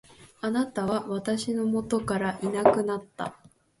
貴方は私の元からいなくなった。